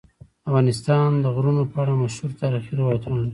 افغانستان د غرونه په اړه مشهور تاریخی روایتونه لري.